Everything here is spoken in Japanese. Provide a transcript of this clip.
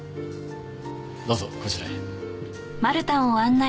どうぞこちらへ。